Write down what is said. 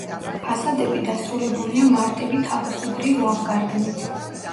ფასადები დასრულებულია მარტივი თაროსებრი ლავგარდნით.